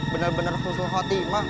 bener bener khusus khatimah